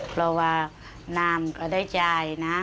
เพราะว่าน้ำก็ได้จ่ายนะ